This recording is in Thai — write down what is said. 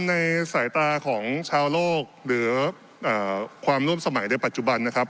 ในสายตาของชาวโลกหรือความร่วมสมัยในปัจจุบันนะครับ